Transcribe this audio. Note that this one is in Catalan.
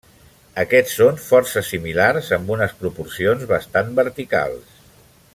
Aquests són força similars amb unes proporcions bastant verticals.